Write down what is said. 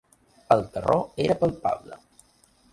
El terror era palpable.